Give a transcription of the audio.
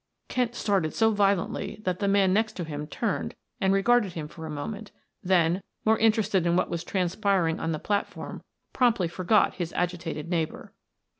Kent started so violently that the man next to him turned and regarded him for a moment, then, more interested in what was transpiring on the platform, promptly forgot his agitated neighbor.